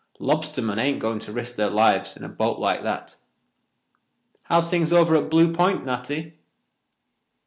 Lobstermen ain't going to risk their lives in a boat like that. How's things over at Blue Point, Natty?"